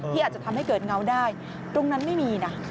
อาจจะทำให้เกิดเงาได้ตรงนั้นไม่มีนะ